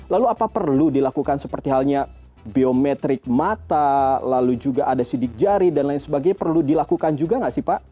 lalu apa perlu dilakukan seperti halnya biometrik mata lalu juga ada sidik jari dan lain sebagainya perlu dilakukan juga nggak sih pak